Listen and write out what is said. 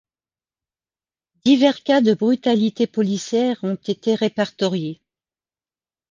Divers cas de brutalités policières ont été répertoriés.